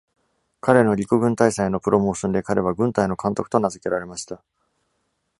彼の陸軍大佐へのプロモーションで、彼は軍隊の監督と名づけられました。